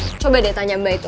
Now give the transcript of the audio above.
coba deh tanya mbak itu